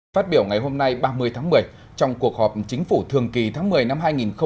phát biểu ngày hôm nay ba mươi tháng một mươi trong cuộc họp chính phủ thường kỳ tháng một mươi năm hai nghìn một mươi chín